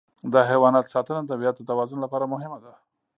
د حیواناتو ساتنه د طبیعت د توازن لپاره مهمه ده.